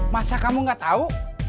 masa kamu nggak tahu